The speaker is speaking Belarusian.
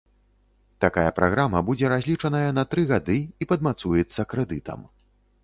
Такая праграма будзе разлічаная на тры гады і падмацуецца крэдытам.